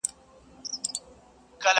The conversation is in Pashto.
له مودو ستا د دوستی یمه لېواله،